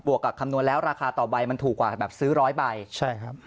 กับคำนวณแล้วราคาต่อใบมันถูกกว่าแบบซื้อร้อยใบใช่ครับ